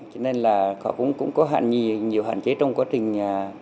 cho nên là họ cũng có nhiều hạn chế trong quá trình